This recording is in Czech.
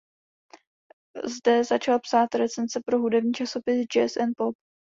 Zde začal psát recenze pro hudební časopis "Jazz and Pop".